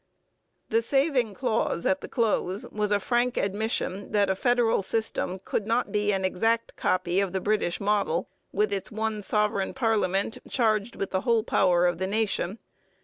The saving clause at the close was a frank admission that a federal system could not be an exact copy of the British model with its one sovereign parliament charged with the whole power of the nation.